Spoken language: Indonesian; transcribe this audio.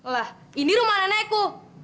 lah ini rumah naneku